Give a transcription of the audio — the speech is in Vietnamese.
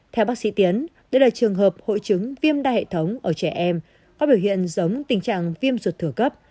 theo bác sĩ tiến đây là trường hợp hội chứng viêm đa hệ thống ở trẻ em có biểu hiện giống tình trạng viêm ruột thừa cấp